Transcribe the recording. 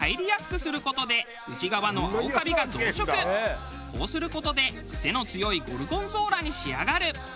こうする事でクセの強いゴルゴンゾーラに仕上がる。